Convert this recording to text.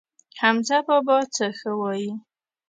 حمزه بابا څه ښه وايي.